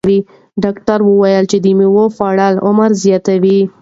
ډاکتر وویل چې د مېوې خوړل عمر زیاتوي.